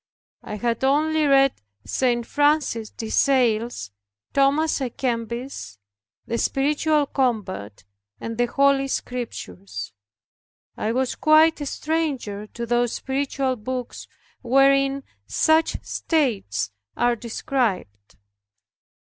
I had only read St. Francis de Sales, Thomas a'Kempis, The Spiritual Combat, and the Holy Scriptures. I was quite a stranger to those spiritual books wherein such states are described.